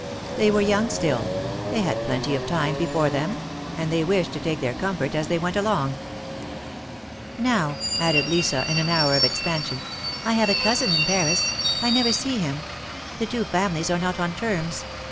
They were young still — they had plenty of time before them, and they wished to take their comfort as they went along. ^^Now," added Lisa, in an hour of expansion, have a cousin in Paris. I never see him. The two families are not on terms.